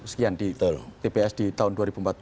sekian di tps di tahun dua ribu empat belas